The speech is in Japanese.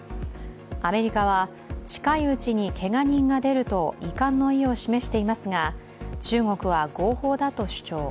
アメリカは、近いうちにけが人が出ると遺憾の意を示していますが中国は合法だと主張。